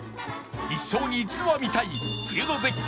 一生に一度は見たい冬の絶景